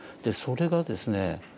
それがですね